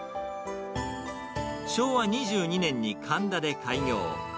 昭和２２年に神田で開業。